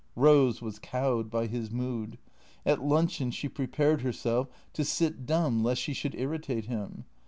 Eose was cowed by his mood. At luncheon she prepared her self to sit dumb lest she should irritate him.